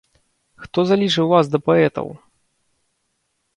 Хто залічыў вас да паэтаў?